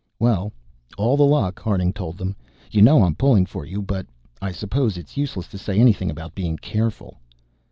"Well, all the luck," Harding told them. "You know I'm pulling for you, but I suppose it's useless to say anything about being careful."